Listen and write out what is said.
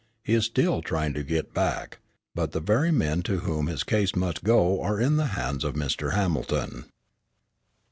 He is still trying to get back, but the very men to whom his case must go are in the hands of Mr. Hamilton.